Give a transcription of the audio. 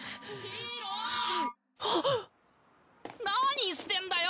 何してんだよ！